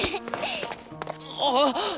あっ！